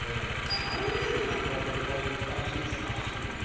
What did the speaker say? マヨネーズなんかは絶対使い切るしなすぐ。